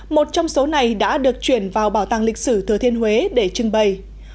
một trong số này đã được chuyển vào bảo tàng lịch sử thừa thiên huế để trưng bày